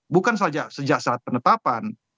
bukan saja sejak saat penetapan